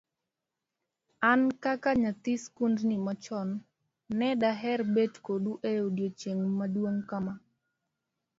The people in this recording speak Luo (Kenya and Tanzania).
an kaka nyadhi skundni machon ne daher bet kodu e odiochieng' maduong' kama